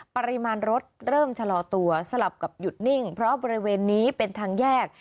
ปริมาณรถเริ่มชะลอตัวสลับกับหยุดนิ่งเพราะบริเวณนี้เป็นทางแยก